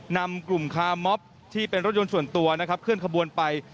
นำกลุ่มคาร์มอบที่เป็นรถยนต์ส่วนตัวนะครับเคลื่อนขบวนไป